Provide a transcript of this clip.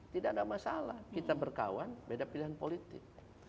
tidak ada masalah kita berkawan beda pilihan politik